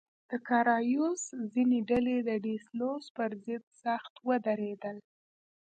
د کارایوس ځینې ډلې د ډي سلوس پر ضد سخت ودرېدل.